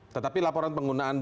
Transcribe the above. tetapi laporan penggunaannya